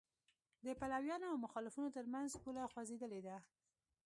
د پلویانو او مخالفانو تر منځ پوله خوځېدلې ده.